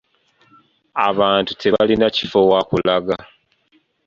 Abantu tebalina kifo wa kulaga.